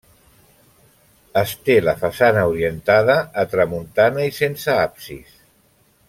És Té la façana orientada a tramuntana i sense absis.